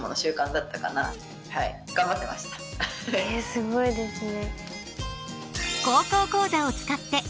すごいですね。